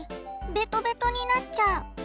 ベトベトになっちゃう。